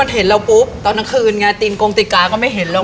อู้ยมันเห็นเราปุ๊บตอนนักคืนไงตีนกรงติกาก็ไม่เห็นแล้วนะ